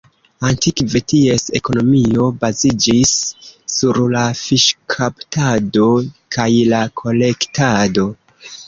Antikve ties ekonomio baziĝis sur la fiŝkaptado kaj la kolektado.